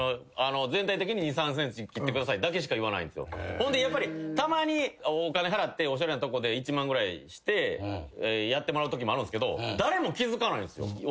ほんでやっぱりたまにお金払っておしゃれなとこで１万ぐらいしてやってもらうときもあるんすけど誰も気付かないんすよ。